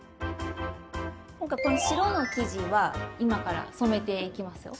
今回この白の生地は今から染めていきますよ。